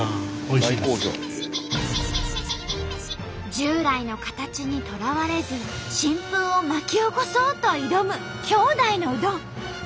従来の形にとらわれず新風を巻き起こそうと挑む兄弟のうどん。